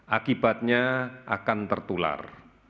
akibatnya akan tertular